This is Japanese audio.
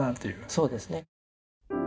そうですね。